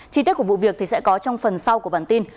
chi tiết của vụ việc sẽ có trong phần sau của bản tin